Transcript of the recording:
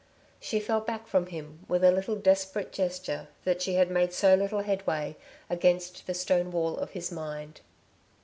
She fell back from him with a little desperate gesture that she had made so little headway against the stone wall of his mind.